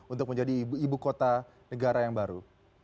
untuk menjadi ibu kota negara yang baru